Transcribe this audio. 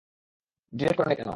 Delete করোনি কেন?